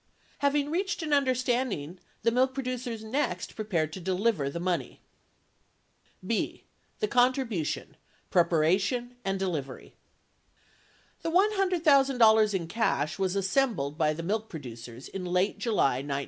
78 Having reached an understanding, the milk producers next prepared to deliver the money. B. The Contribution : Preparation and Delivery The $100,000 in cash was assembled by the milk producers in late July 1969.